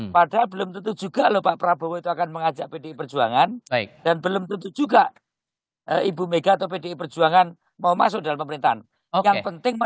padahal belum tentu juga lho pak prabowo itu akan mengajak pdi perjuangan dan belum tentu juga ibu mega atau pdi perjuangan mau masuk dalam pemerintahan